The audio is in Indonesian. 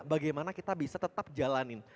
bagaimana kita bisa tetap jalanin